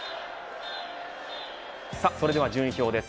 それでは順位表です。